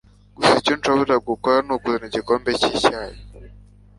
Gusa icyo nshobora gukora nukuzana igikombe cyicyayi.